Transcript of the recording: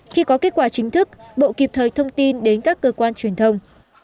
khi có kết quả chính thức bộ kịp thời thông tin đến các cơ quan truyền thông